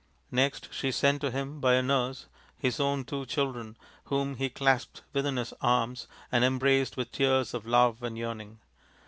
Next she sent to him by a nurse his own two children, whom he clasped within his arms and embraced with tears of love and yearning.